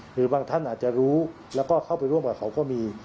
หรือบางท่านอาจจะรู้แล้วก็เข้าไปร่วมกับเขาก็มี